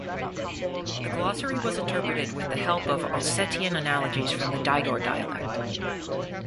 The glossary was interpreted with the help of Ossetian analogies from the Digor dialect.